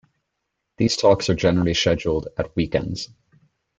These talks are generally scheduled at week-ends.